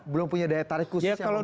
belum punya daya tarik khusus yang